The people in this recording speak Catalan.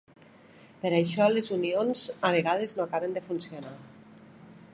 Per això les unions a vegades no acaben de funcionar.